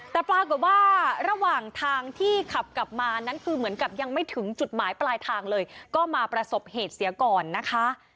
แต่ปรากฏว่าระหว่างทางที่ขับกลับมานั้นคือเหมือนกับยังไม่ถึงจุดหมายปลายทางเลยก็มาประสบเหตุเสียก่อนนะคะ